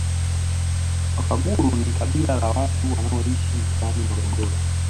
Wakaguru ni kabila la watu wanaoishi mkoani Morogoro